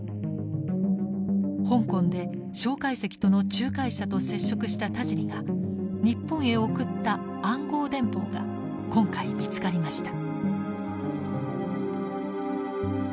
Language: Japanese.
香港で介石との仲介者と接触した田尻が日本へ送った暗号電報が今回見つかりました。